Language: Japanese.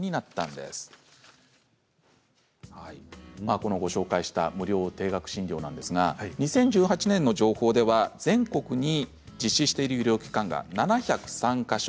このご紹介した無料低額診療ですが２０１８年の情報では全国に実施している医療機関が７０３か所。